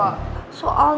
aku mau ke rumah